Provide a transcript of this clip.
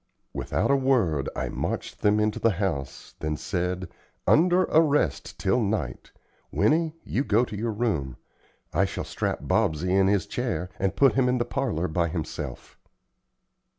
Without a word I marched them into the house, then said: "Under arrest till night. Winnie, you go to your room. I shall strap Bobsey in his chair, and put him in the parlor by himself."